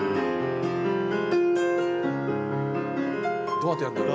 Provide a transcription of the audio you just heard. どうやってやるんだろ？